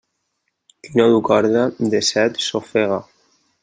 Qui no du corda, de set s'ofega.